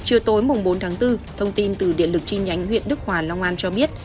trưa tối bốn tháng bốn thông tin từ điện lực tri nhánh huyện đức hòa long an cho biết